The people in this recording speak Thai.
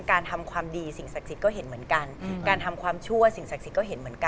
ทำความดีสิ่งศักดิ์สิทธิ์ก็เห็นเหมือนกันการทำความชั่วสิ่งศักดิ์สิทธิ์เหมือนกัน